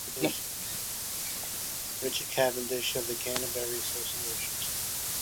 Richard Cavendish of the Canterbury Association.